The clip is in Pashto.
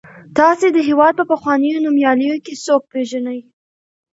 تاسې د هېواد په پخوانیو نومیالیو کې څوک پیژنئ.